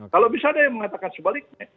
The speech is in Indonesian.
kalau bisa ada yang mengatakan sebaliknya